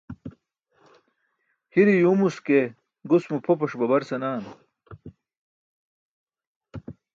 Hire yuwmus ke gus mo pʰopus babar senaan.